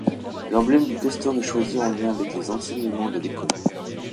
L'emblème du castor est choisi en lien avec les enseignements de l'école.